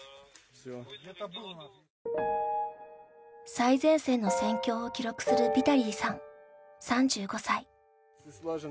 最前線の戦況を記録するヴィタリーさん、３５歳。